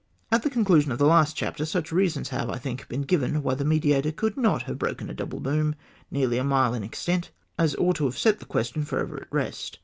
At the conclusion of the last chapter, such reasons have, I think, been given why the Mediator could not have broken a double boom nearly a mile in extent as ought to have set the question for ever at rest.